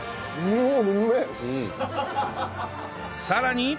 さらに